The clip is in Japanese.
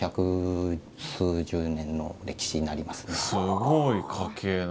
すごい家系の。